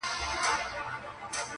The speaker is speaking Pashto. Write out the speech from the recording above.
درې ملګري!.